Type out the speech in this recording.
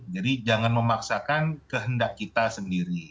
jadi jangan memaksakan kehendak kita sendiri